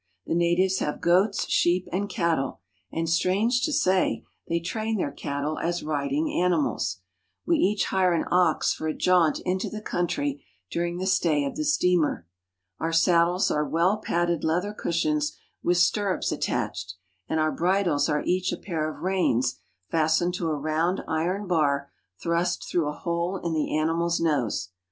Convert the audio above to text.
The natives have goats, sheep, and cattle ; and, strange to say, they train their cattle as riding animals. We each hire an ox for a jaunt into the country during the stay of the steamer. Our saddles are well padded leather cushions with stirrups attached, and our bridles are each a pair of reins fastened to a round iron bar thrust through a hole in the animal's nose.